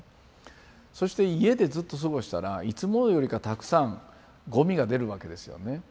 そして家でずっと過ごしたらいつもよりかたくさんゴミが出るわけですよね。